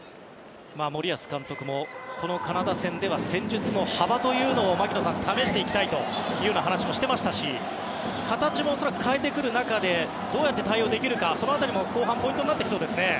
森保監督もこのカナダ戦では戦術の幅を試していきたいという話をしていましたし形も恐らく変えてくる中でどうやって対応していくかその辺りも後半ポイントになってきそうですね。